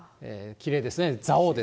きれいですね。